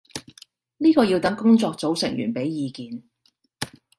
呢個要等工作組成員畀意見